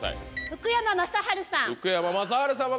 福山雅治さん。